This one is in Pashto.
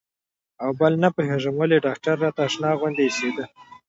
او بل نه پوهېږم ولې ډاکتر راته اشنا غوندې اېسېده.